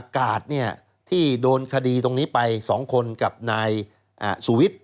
กาดที่โดนคดีตรงนี้ไป๒คนกับนายสุวิทย์